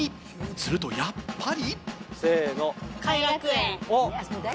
するとやっぱり！